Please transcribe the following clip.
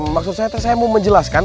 maksud saya saya mau menjelaskan